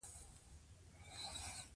اباد دې وي زموږ ګران هېواد.